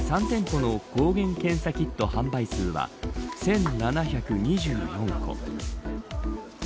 ３店舗の抗原検査キット販売数は１７２４個。